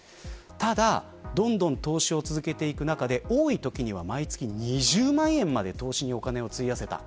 ただ、どんどん投資を続けていく中で多い月には毎月２０万円まで投資にお金を費やした。